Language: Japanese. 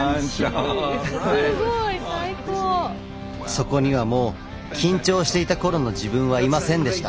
そこにはもう緊張していた頃の自分はいませんでした。